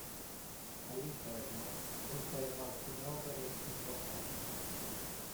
All'interno conserva alcune opere importanti.